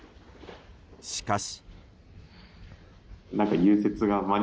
しかし。